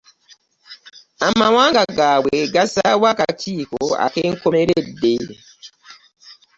Amawanga gaabwe gasaawo akakiiko ak'enkomeredde